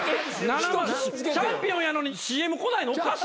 チャンピオンやのにＣＭ来ないのおかしいんすよ。